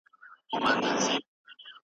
عمر له هغه ځایه په خوښۍ رخصت شو.